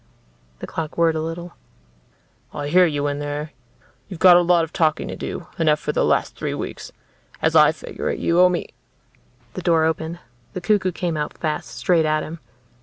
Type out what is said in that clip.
The clock whirred a little. "I hear you in there. You've got a lot of talking to do, enough for the last three weeks. As I figure it, you owe me " The door opened. The cuckoo came out fast, straight at him.